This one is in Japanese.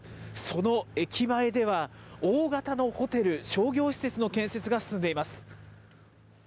その駅前では、大型のホテル、商業施設の建設が進んでいます。